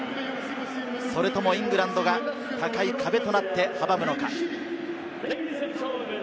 それともイングランドが高い壁となって阻むのか。